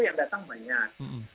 yang datang banyak